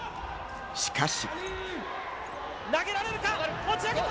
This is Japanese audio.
しかし。